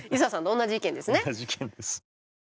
同じ意見です。